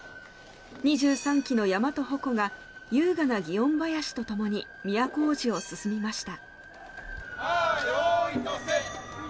２３基の山とほこが優雅な祇園ばやしとともに都大路を進みました。